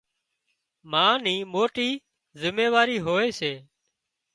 ما ني موٽي زميواري هوئي سي